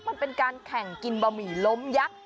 มันเป็นการแข่งกินบะหมี่ล้มยักษ์